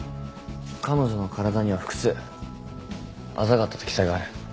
彼女の体には複数あざがあったと記載がある。